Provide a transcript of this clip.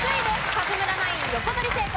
勝村ナイン横取り成功